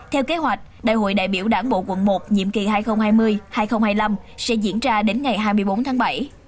theo kế hoạch đại hội đại biểu đảng bộ quận một nhiệm kỳ hai nghìn hai mươi hai nghìn hai mươi năm sẽ diễn ra đến ngày hai mươi bốn tháng bảy